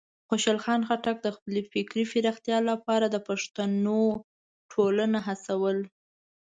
خوشحال خان خټک د خپلې فکري پراختیا لپاره د پښتنو ټولنه هڅول.